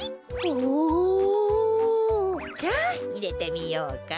おお！じゃあいれてみようか。